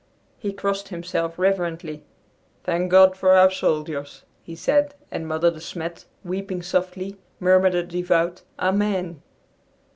He crossed himself reverently. "Thank God for our soldiers," he said, and Mother De Smet, weeping softly, murmured a devout "Amen."